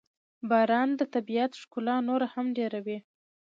• باران د طبیعت ښکلا نوره هم ډېروي.